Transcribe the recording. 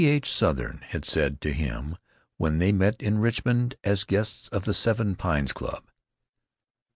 H. Sothern had said to him when they met in Richmond as guests of the Seven Pines Club.